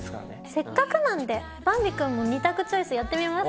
せっかくなんでヴァンビ君も２択チョイスやってみます？